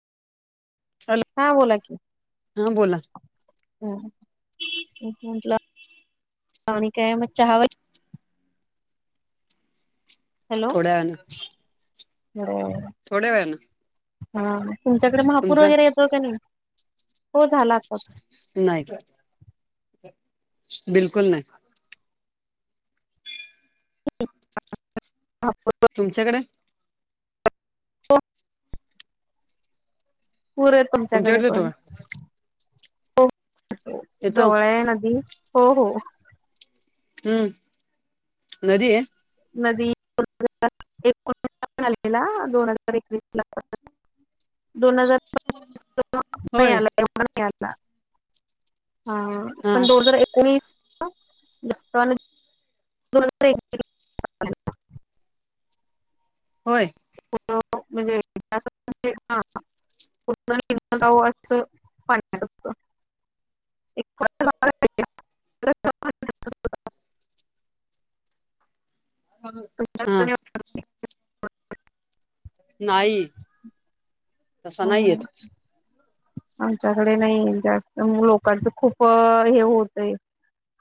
Hello हा बोला की हा बोला ह म्हटलं आणि काय मग चहा वगैरे थोड्या वेळा न, हो [unintelligible] थोड्या वेळ न, हा तुमच्याकडे महापूर वगैरे, येतो का नाही हो झाला आताच. नाही ग बिलकुल नाही. ठीक हां [unintelligible] तुमच्याकडे? हो. पूर आहेत तुमच्याकडे येतो पण का [unintelligible] येतो जवळ हाय नदी. हो हो. हम्म नदी हे. नदी आलेला दोन हजार एकवीस ला [unintelligible] दोन हजार नाही होय आलाव्हा नाही आला [unintelligible] हा हा पण दोन हजार एकोणीस दोन हजार [unintelligible] होय. म्हणजे इ ह [unintelligible] चं पत वाटच [unintelligible] हा [unintelligible] पटल [unintelligible] ह. नाही. तसा नाही येत हम्म. आमच्याकडे नाही जास्त म लोकांचं खूप हे होतय.